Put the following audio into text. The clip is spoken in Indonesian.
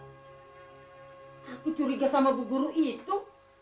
aku curiga sama bu guru itu